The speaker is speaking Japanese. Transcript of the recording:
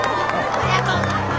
ありがとうございます！